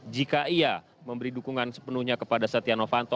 jika ia memberi dukungan sepenuhnya kepada setia novanto